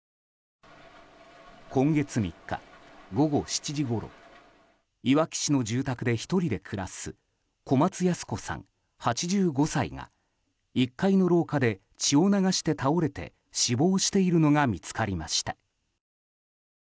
今月３日午後７時ごろいわき市の住宅で１人で暮らす小松ヤス子さん、８５歳が１階の廊下で血を流して倒れて死亡しているのが見つかりました。